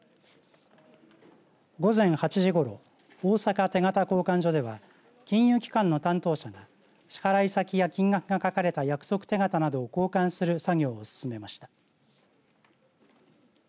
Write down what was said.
午前８時ごろ大阪手形交換所では金融機関の担当者が支払い先や金額が書かれた約束手形などを交換する作業を進めました。